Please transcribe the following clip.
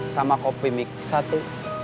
sama kopi mik satu